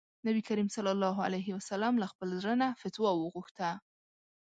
نبي کريم ص له خپل زړه نه فتوا وغوښته.